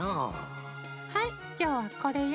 はいきょうはこれよ。